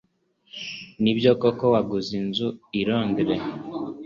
Nibyo koko waguze inzu i Londres?